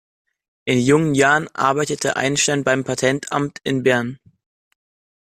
In jungen Jahren arbeitete Einstein beim Patentamt in Bern.